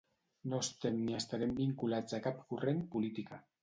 No estem ni estarem vinculats a cap corrent política.